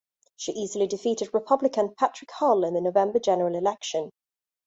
She easily defeated Republican Patrick Hull in the November general election.